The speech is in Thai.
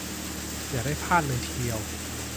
อย่าได้พลาดเลยทีเดียว